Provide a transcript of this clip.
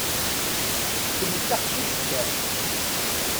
Kemm d taqcict kan.